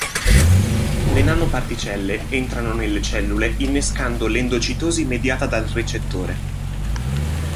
Le nanoparticelle entrano nelle cellule innescando l'endocitosi mediata dal recettore.